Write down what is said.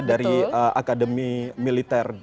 dari akademi militer